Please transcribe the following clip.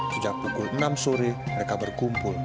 sejak pukul enam sore mereka berkumpul